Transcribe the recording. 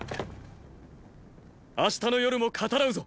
明日の夜も語らうぞ！